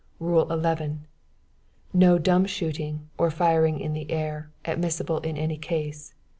"Rule 13. No dumb shooting, or firing in the air, admissible in any case.